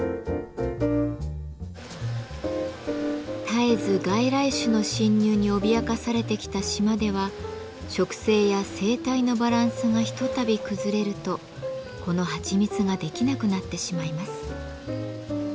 絶えず外来種の侵入に脅かされてきた島では植生や生態のバランスがひとたび崩れるとこのはちみつができなくなってしまいます。